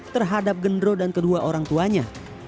terhadap gendro dan kedua orang tuanya